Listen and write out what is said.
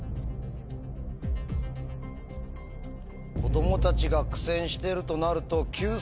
子供たちが苦戦してるとなると。